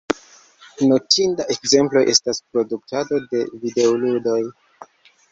Notinda ekzemplo estas produktado de videoludoj.